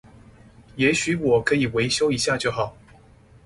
也許我可以維修一下就好